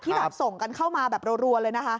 ส่งกันเข้ามาแบบรัวเลยนะคะ